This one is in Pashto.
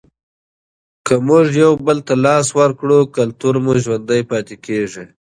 که موږ یو بل ته لاس ورکړو کلتور مو ژوندی پاتې کیږي.